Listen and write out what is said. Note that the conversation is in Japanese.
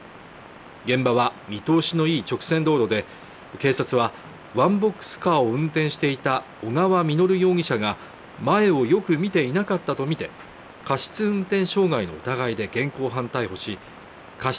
現場は見通しの良い直線道路で警察はワンボックスカーを運転していた小川稔容疑者が前をよく見ていなかったとみて過失運転傷害の疑いで現行犯逮捕し過失